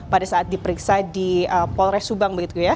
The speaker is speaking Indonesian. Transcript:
pada saat diperiksa di polres subang